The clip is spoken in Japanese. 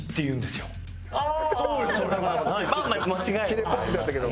キレポイントやったけど。